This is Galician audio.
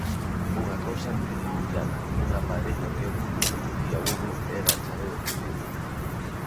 Unha cousa antediluviana, un aparello que, como dicía Hugo, era a chave do futuro.